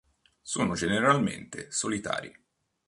Sono generalmente solitari.